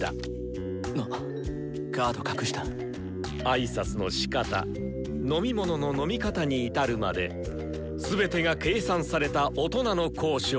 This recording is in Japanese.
挨拶のしかた飲み物の飲み方に至るまで全てが計算された大人の交渉。